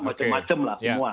macem macem lah semua